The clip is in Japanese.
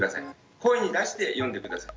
声に出して読んで下さい。